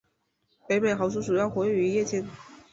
北美豪猪主要活跃于夜间。